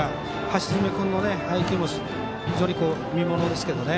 橋爪君の配球も非常に見ものですけどね。